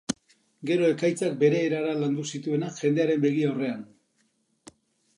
Gero ekaitzak bere erara landu zituenak jendearen begi aurrean.